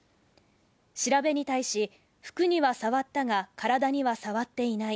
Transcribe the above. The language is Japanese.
調べに対し、服には触ったが体には触っていない。